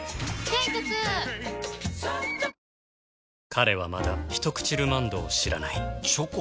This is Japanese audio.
彼はまだ「ひとくちルマンド」を知らないチョコ？